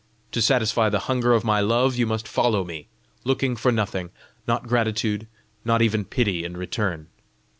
To satisfy the hunger of my love, you must follow me, looking for nothing, not gratitude, not even pity in return!